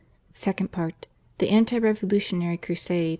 SECOND PART. . THE ANTI REVOLUTIONARY CRUSADE.